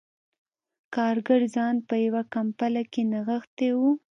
کارګر ځان په یوه کمپله کې نغښتی و